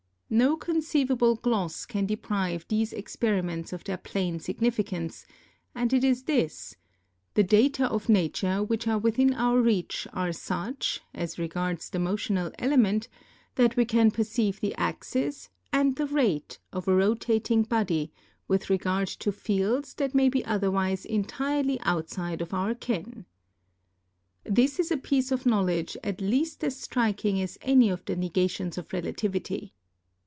No conceivable gloss can deprive these experiments of their plain significance, and it is this : The data of Nature which are within our reach are such, as regards the motional element, that we can perceive the axis, arid the rate, of a rotating body, with regard to fields that may be otherwise entirely outside of our ken. This is a piece of knowledge at least as striking as any of the negations of relativity.